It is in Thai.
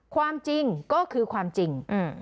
ความจริงก็คือความจริง